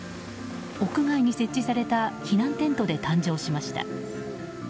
屋外に設置された避難テントで誕生しました。